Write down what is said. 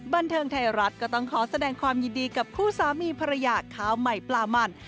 บันเทิงไทยรัฐก็ต้องขอแสดงความยินดีกับคู่สามีภรรยาข้าวใหม่ปลามัน